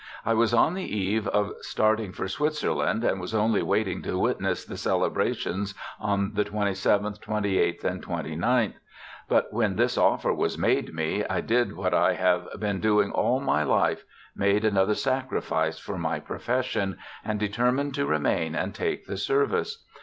I was on the eve of starting for Switzerland, and was only waiting to witness the cele brations on the 27th, 28th, and 29th ; but when this offer was made me I did what I have been doing all my life made another sacrifice for my profession, and determined to remain and take the service.